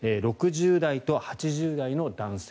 ６０代と８０代の男性。